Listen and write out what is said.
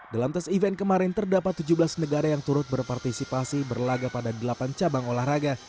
dalam tes event kemarin terdapat tujuh belas negara yang turut berpartisipasi berlaga pada delapan cabang olahraga